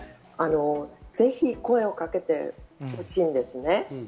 ぜひ声をかけてほしいんですね。